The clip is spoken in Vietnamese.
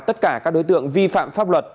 tất cả các đối tượng vi phạm pháp luật